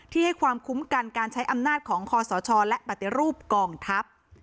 ให้ความคุ้มกันการใช้อำนาจของคอสชและปฏิรูปกองทัพ